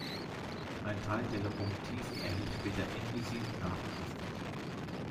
Ein Teil der Lokomotiven erhielt später Indusi nachgerüstet.